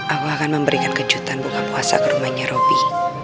aku akan memberikan kejutan buka puasa ke rumahnya roby